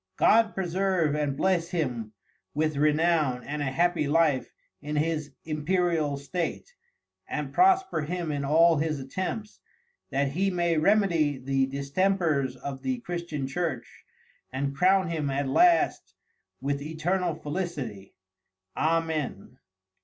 God preserve and bless him with Renown and a happy Life in his Imperial State, and prosper him in all his Attempts, that he may remedy the Distempers of the Christian Church, and Crown him at last with Eternal Felicity, Amen.